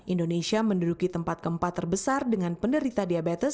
indonesia menduduki tempat keempat terbesar dengan penderita diabetes